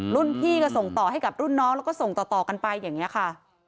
รุ่นพี่ก็ส่งต่อให้กับรุ่นน้องแล้วก็ส่งต่อกันไปอย่างนี้ค่ะ